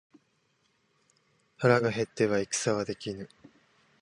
腹が減っては戦はできぬ